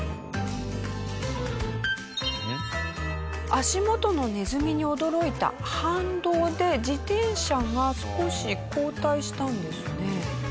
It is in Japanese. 足元のネズミに驚いた反動で自転車が少し後退したんですね。